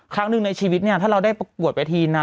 ครั้งหนึ่งในชีวิตเนี่ยถ้าเราได้ประกวดเวทีนะ